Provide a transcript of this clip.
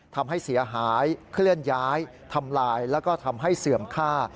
ทำลายแล้วก็ทำให้เสื่อมค่า